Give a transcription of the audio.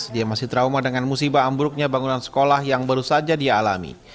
dia masih trauma dengan musibah ambruknya bangunan sekolah yang baru saja dia alami